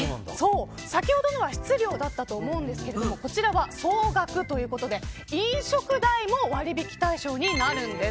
先ほどは室料だったと思うんですがこちらは総額ということで飲食代も割引対象になるんです。